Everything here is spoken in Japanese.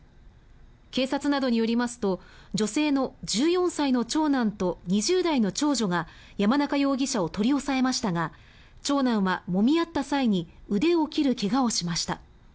警察などによりますと女性の１４歳の長男と２０代の長女が山中容疑者を取り押さえましたが長男はもみ合った際に腕を切る怪我をしました。